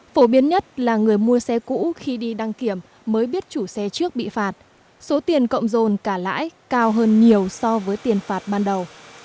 phổ biến nhất là người mua xe cũ khi đi đăng kiểm mới biết chủ xe trước bị phạt số tiền cộng dồn cả lãi cao hơn nhiều so với tiền phạt ban đầu